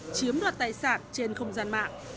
chiếm đoạt tài sản trên không gian mạng